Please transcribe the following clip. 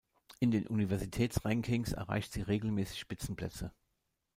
In den Universitäts-Rankings erreicht sie regelmäßig Spitzenplätze.